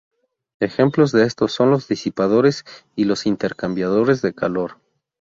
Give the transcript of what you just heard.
Ejemplos de esto son los disipadores y los intercambiadores de calor.